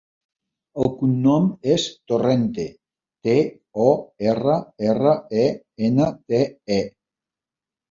El cognom és Torrente: te, o, erra, erra, e, ena, te, e.